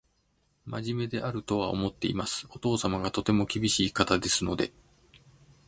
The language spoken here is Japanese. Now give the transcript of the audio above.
真面目であるとは思っています。お父様がとても厳しい方ですので